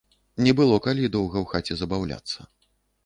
Не было калі доўга ў хаце забаўляцца.